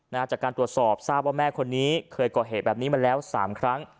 จากการตรวจสอบทราบว่าแม่คนนี้เคยก่อเหตุแบบนี้มาแล้วสามครั้ง